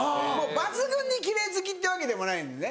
抜群に奇麗好きってわけでもないんでね。